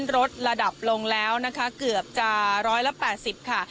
ลดระดับลงแล้วนะคะเกือบจะร้อยละ๘๐ค่ะ